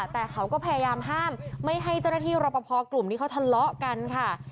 แต่เขาก็พยายามห้ามไม่ให้เจ้าหน้าที่รอปภกลุ่มนี้เขาทะเลาะกันค่ะ